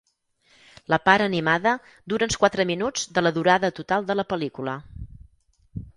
La part animada dura uns quatre minuts de la durada total de la pel·lícula.